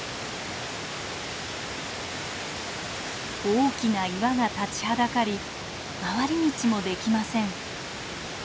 大きな岩が立ちはだかり回り道もできません。